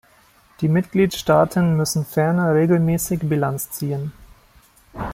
Die Mitgliedstaaten müssen ferner regelmäßig Bilanz ziehen.